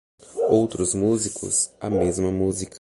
Outros músicos - a mesma música.